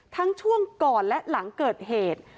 ช่วงก่อนและหลังเกิดเหตุ